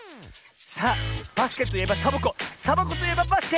さあバスケといえばサボ子サボ子といえばバスケ！